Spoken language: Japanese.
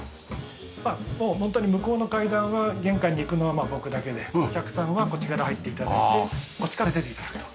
もう本当に向こうの階段は玄関に行くのは僕だけでお客さんはこっちから入って頂いてこっちから出て頂くと。